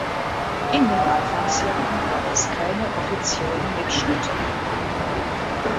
In den Anfangsjahren gab es keine offiziellen Mitschnitte.